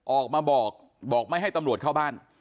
ออกมาบอกบอกไม่ให้ตำรวจเข้าบ้าน